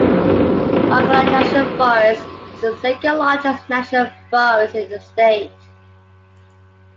Ocala National Forest is the second largest National Forest in the state.